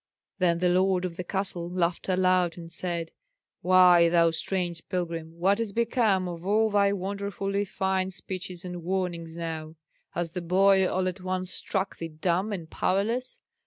Then the lord of the castle laughed aloud, and said: "Why, thou strange pilgrim, what is become of all thy wonderfully fine speeches and warnings now? Has the boy all at once struck thee dumb and powerless?